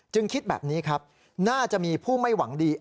คิดแบบนี้ครับน่าจะมีผู้ไม่หวังดี